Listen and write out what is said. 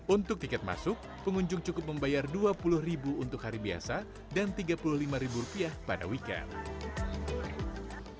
untuk tiket masuk pengunjung cukup membayar dua puluh untuk hari biasa dan rp tiga puluh lima pada weekend